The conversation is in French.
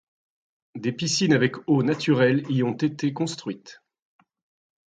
Des piscines avec eau naturelle y ont été construites.